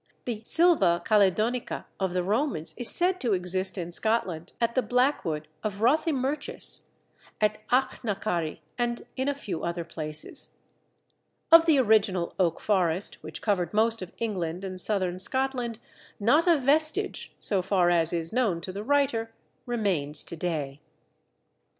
The Silva Caledonica of the Romans is said to exist in Scotland at the Blackwood of Rothiemurchus, at Achnacarry, and in a few other places. Of the original oak forest, which covered most of England and Southern Scotland, not a vestige (so far as is known to the writer) remains to day.